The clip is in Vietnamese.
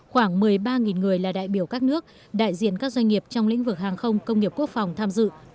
khoảng một mươi ba người là đại biểu các nước đại diện các doanh nghiệp trong lĩnh vực hàng không công nghiệp quốc phòng tham dự